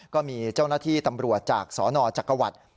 ก็มีเจ้าหน้าที่ตำรวจจากสนจักรวรรดิ